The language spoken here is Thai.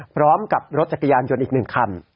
พร้อมกับรถจักรยานยนต์อีก๑คัน